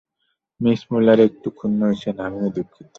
Miss Muller এতে একটু ক্ষুণ্ণ হয়েছেন, আমিও দুঃখিত।